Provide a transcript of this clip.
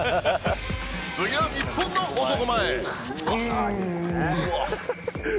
次は日本の男前ん！